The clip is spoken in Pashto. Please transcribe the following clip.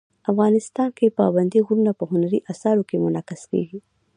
افغانستان کې پابندي غرونه په هنري اثارو کې منعکس کېږي.